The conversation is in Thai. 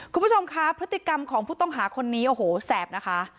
คุณผู้ชมคะพฤติกรรมของผู้ต้องหาคนนี้โอ้โหแสบนะคะ